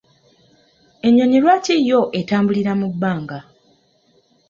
Ennyonyi lwaki yo etambulira mu bbanga?